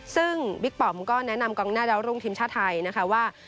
ซึ่งบิ๊กปอมก็แนะนำกองหน้าดาวรุ่งทีมชาติไทยนะคะว่า